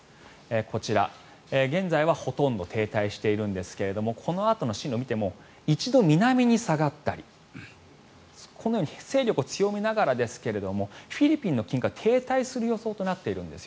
こちら、現在はほとんど停滞しているんですがこのあとの進路を見ても１度南に下がったり、このように勢力を強めながらですがフィリピンの近海停滞する予想となっているんです。